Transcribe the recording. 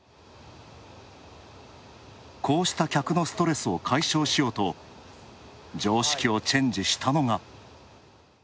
こうした客のストレスを解消しようと、常識をチェンジしたのが。